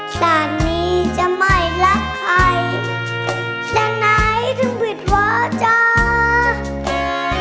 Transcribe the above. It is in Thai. สักนี้จะไม่รักใครและไหนถึงผิดว่าจ้า